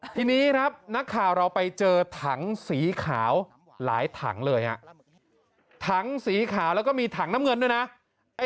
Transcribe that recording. ทีนี้ครับนักข่าวเราไปเจอถังสีขาวหลายถังเลยอะ